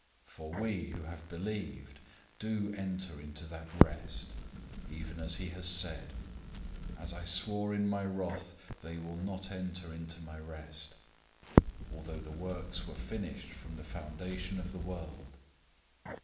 004:003 For we who have believed do enter into that rest, even as he has said, "As I swore in my wrath, they will not enter into my rest;"{Psalm 95:11} although the works were finished from the foundation of the world.